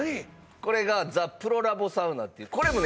これが「ザプロラボサウナ」っていうこれもね